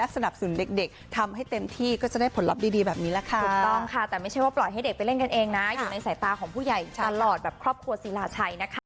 ใส่ตาของผู้ใหญ่ตลอดแบบครอบครัวศิลาชัยนะครับ